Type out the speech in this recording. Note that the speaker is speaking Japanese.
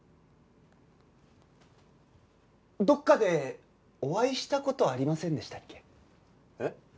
どっかでお会いした事ありませんでしたっけ？